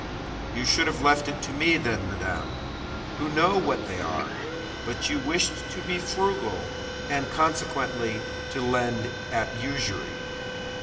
"You should have left it to me, then, madame, who know what they are; but you wished to be frugal, and consequently to lend at usury."